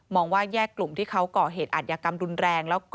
ว่าแยกกลุ่มที่เขาก่อเหตุอัธยากรรมรุนแรง